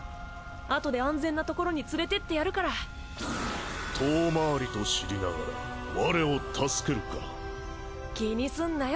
あとで安全なところに連れてってやるから遠回りと知りながらわれを助けるか気にすんなよ